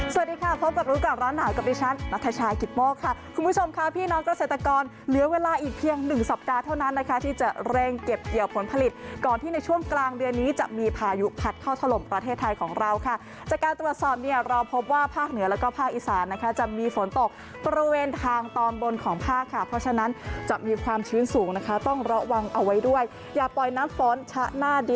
สวัสดีค่ะพบกับรู้กันร้อนหนาวกับดิฉันนัทชายกิตโมกค่ะคุณผู้ชมค่ะพี่น้องเกษตรกรเหลือเวลาอีกเพียงหนึ่งสัปดาห์เท่านั้นนะคะที่จะเร่งเก็บเกี่ยวผลผลิตก่อนที่ในช่วงกลางเดือนนี้จะมีพายุผลัดเข้าถล่มประเทศไทยของเราค่ะจากการตรวจสอบเนี่ยเราพบว่าภาคเหนือแล้วก็ภาคอีสานนะคะจะมีฝน